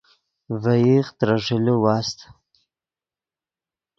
ڤے ایغ ترے ݰیلے واست